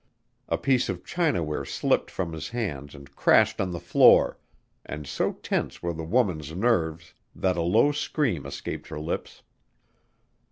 A piece of chinaware slipped from his hands and crashed on the floor and so tense were the woman's nerves that a low scream escaped her lips.